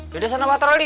yaudah sana patroli